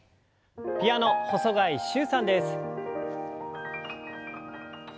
ピアノ細貝柊さんです。